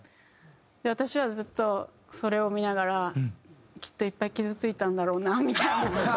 私はずっとそれを見ながらきっといっぱい傷ついたんだろうなみたいな。